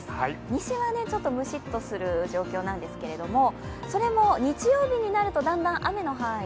西はちょっとムシッとする状況なんですけれども、それも日曜日になると、だんだん雨の範囲